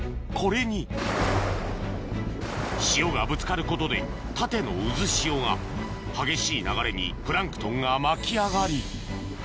これに潮がぶつかることで縦の渦潮が激しい流れにプランクトンが巻き上がり